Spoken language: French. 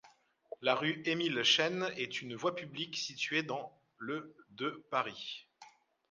La rue Émile-Chaine est une voie publique située dans le de Paris.